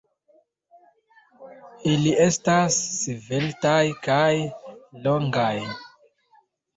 Ili estas sveltaj kaj longaj.